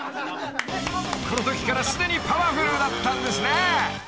［このときからすでにパワフルだったんですね］